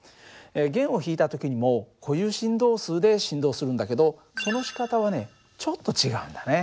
弦を弾いた時にも固有振動数で振動するんだけどそのしかたはねちょっと違うんだね。